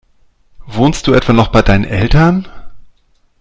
Wohnst du etwa noch bei deinen Eltern?